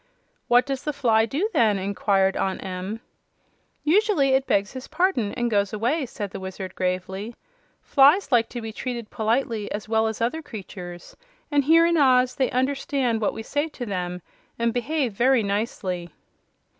"What does the fly do then?" enquired Aunt Em. "Usually it begs his pardon and goes away," said the Wizard, gravely. "Flies like to be treated politely as well as other creatures, and here in Oz they understand what we say to them, and behave very nicely."